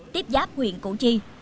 tiếp giáp huyện củ chi